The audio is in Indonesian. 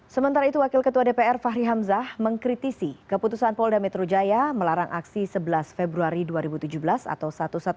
sementara itu wakil ketua dpr fahri hamzah mengkritisi keputusan polda metro jaya melarang aksi sebelas februari dua ribu tujuh belas atau satu ratus dua belas